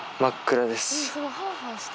真っ暗です